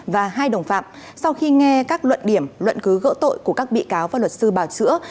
và hai đồng phạm sau khi nghe các luận điểm luận cứ gỡ tội của các bị cáo và luật sư bào chữa